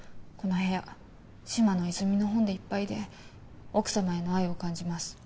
この部屋嶋野泉水の本でいっぱいで奥様への愛を感じます。